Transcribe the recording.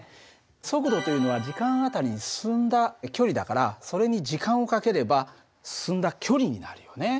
速度というのは時間あたりに進んだ距離だからそれに時間を掛ければ進んだ距離になるよね。